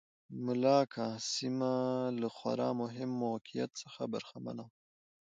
ملاکا سیمه له خورا مهم موقعیت څخه برخمنه وه.